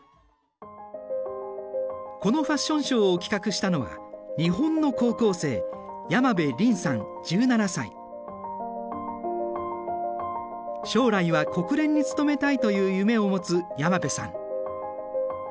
このファッションショーを企画したのは日本の高校生将来は国連に勤めたいという夢を持つ山邊さん。